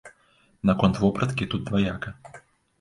Наконт вопраткі, тут дваяка.